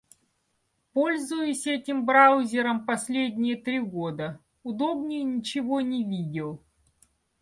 Пользуюсь этим браузером последние три года, удобнее ничего не видел.